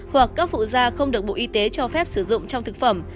hoặc các phụ da không được bộ y tế cho phép sử dụng trong thực phẩm